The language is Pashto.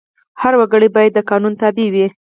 هر وګړی باید د قانون تابع وي.